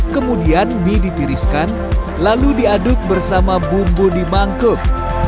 kemudian mie ditiriskan lalu diaduk bersama bumbu dimangkuk